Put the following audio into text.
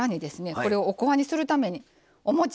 これをおこわにするためにおもち。